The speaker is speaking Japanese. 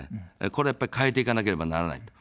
これはやっぱり変えていかなければならない。